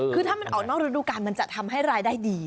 คือถ้ามันออกนอกฤดูการมันจะทำให้รายได้ดี